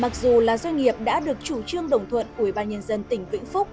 mặc dù là doanh nghiệp đã được chủ trương đồng thuận của ủy ban nhân dân tỉnh vĩnh phúc